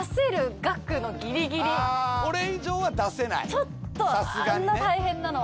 ちょっとあんな大変なのは。